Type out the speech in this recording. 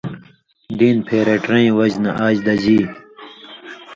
(دین) پھېرٹیۡرَیں وجہۡ نہ آژ دژی!